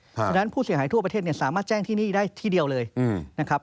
เพราะฉะนั้นผู้เสียหายทั่วประเทศสามารถแจ้งที่นี่ได้ที่เดียวเลยนะครับ